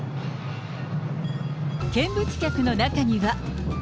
見物客の中には。